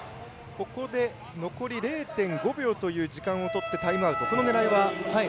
ここで残り０．５秒という時間をとってタイムアウト、この狙いは？